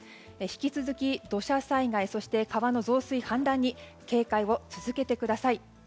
引き続き土砂災害、川の増水・氾濫に警戒を続けてください。